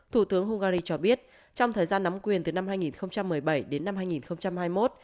thủ tướng hungary cho biết trong thời gian nắm quyền từ năm hai nghìn một mươi bảy đến năm hai nghìn hai mươi một